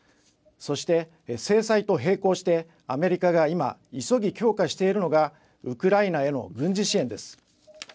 そして制裁と並行してアメリカが今急ぎ強化しているのがウクライナへの軍事支援です。